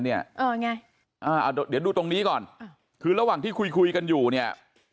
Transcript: เดี๋ยวดูตรงนี้ก่อนคือระหว่างที่คุยคุยกันอยู่เนี่ย